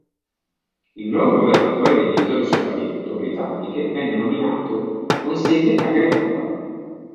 Il nuovo governatore delle Isole Sopravento britanniche venne nominato, con sede a Grenada.